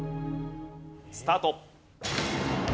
スタート！